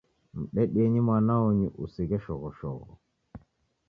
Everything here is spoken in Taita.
Mdedienyi mwana onyu, usighe shoghoshogho